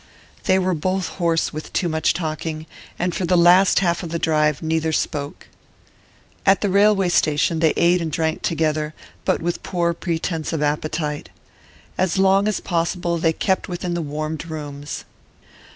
They were both hoarse with too much talking, and for the last half of the drive neither spoke. At the railway station they ate and drank together, but with poor pretence of appetite. As long as possible they kept within the warmed rooms.